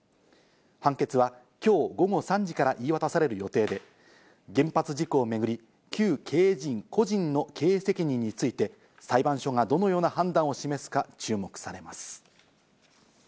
判決は今日午後３時から言い渡される予定で、原発事故をめぐり、旧経営陣個人の経営責任について裁判所がどのような判断を示すか注目されます。